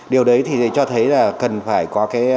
điều đấy thì cho thấy là cần phải có cái